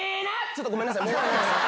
ちょっとごめんなさい。